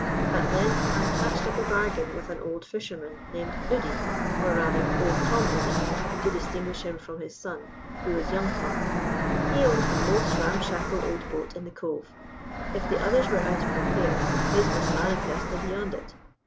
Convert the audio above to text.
At length I patched up a bargain with an old fisherman named Udy or rather Old Tom Udy, to distinguish him from his son, who was Young Tom. He owned the most ramshackle old boat in the Cove: if the others were out of repair, his was manifestly beyond it.